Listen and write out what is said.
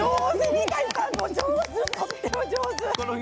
三谷さんもとっても上手！